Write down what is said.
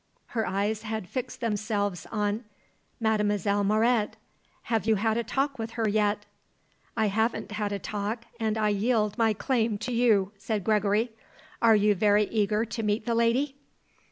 Her eyes had fixed themselves on Mlle. Mauret. "Have you had a talk with her yet?" "I haven't had a talk and I yield my claim to you," said Gregory. "Are you very eager to meet the lady?"